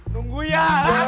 tujuh dua nunggu ya